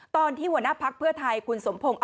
ตอนที่หัวหน้าพักเพื่อไทยคุณสมพงศ์